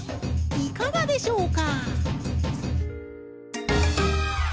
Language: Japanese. いかがでしょうか？